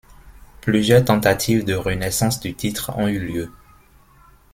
Plusieurs tentatives de renaissance du titre ont eu lieu.